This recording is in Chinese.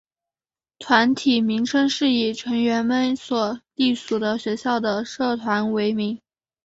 团体名称是以成员们所隶属的学校的社团为名。